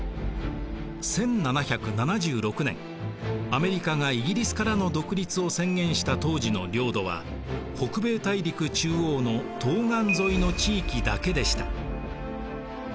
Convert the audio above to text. アメリカがイギリスからの独立を宣言した当時の領土は北米大陸中央の東岸沿いの地域だけでした。